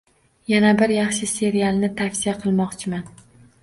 Yana bir yaxshi serialni tavsiya qilmoqchiman.